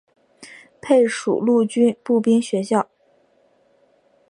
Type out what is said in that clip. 配属陆军步兵学校。